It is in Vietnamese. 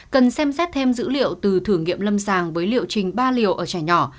cần xem xét thêm dữ liệu từ thử nghiệm lâm sàng với liệu trình ba liều ở trẻ nhỏ